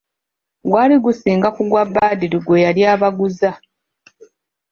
Gwali gusinga ku gwa Badru gwe yali abaguza!